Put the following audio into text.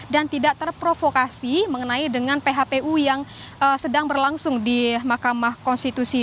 dan tidak terprovokasi mengenai dengan phpu yang sedang berlangsung di mahkamah konstitusi